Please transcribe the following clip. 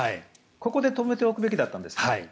ここで止めておくべきだったんですね。